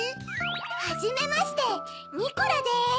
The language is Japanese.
はじめましてニコラです。